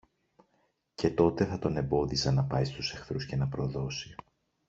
Και τότε θα τον εμπόδιζα να πάει στους εχθρούς και να προδώσει.